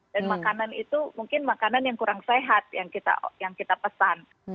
dan makanan itu mungkin makanan yang kurang sehat yang kita pesan